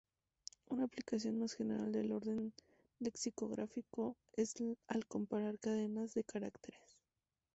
Una aplicación más general del orden lexicográfico es al comparar cadenas de caracteres.